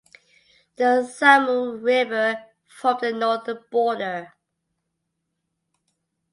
The Samur river formed the northern border.